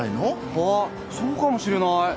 ああそうかもしれない。